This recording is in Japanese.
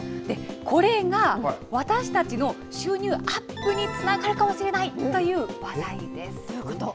これが、私たちの収入アップにつながるかもしれないという話題です。